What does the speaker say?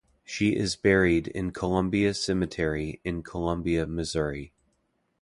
She is buried in Columbia Cemetery in Columbia Missouri.